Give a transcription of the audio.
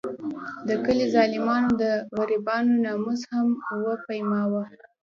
د کلي ظالمانو د غریبانو ناموس هم ونه سپماوه.